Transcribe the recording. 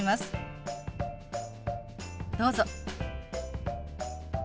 どうぞ。